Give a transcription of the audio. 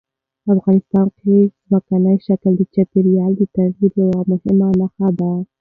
افغانستان کې ځمکنی شکل د چاپېریال د تغیر یوه مهمه نښه ده.